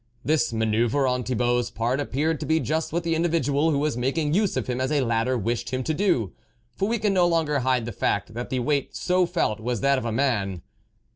This manoeuvre on Thibault's part appeared to be just what the individual who was making use of him as a ladder wished him to do, for we can no longer hide the fact that the weight so felt was that of a man.